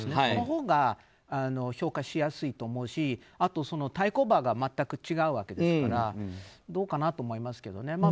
そのほうが評価しやすいと思うしあと、対抗馬が全く違うわけですからどうかなと思いますけどね。